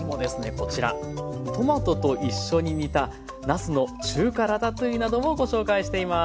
こちらトマトと一緒に煮た「なすの中華ラタトゥイユ」などもご紹介しています。